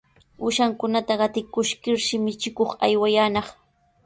Uushankunata qatikuskirshi michikuq aywanaq.